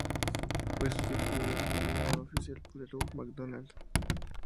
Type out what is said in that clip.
Fue sustituido de manera no oficial por Hugh McDonald.